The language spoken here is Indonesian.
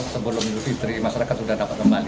sebelum industri masyarakat sudah dapat kembali